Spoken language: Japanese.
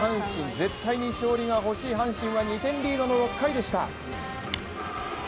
絶対に勝利が欲しい阪神は２点リードの６回でした。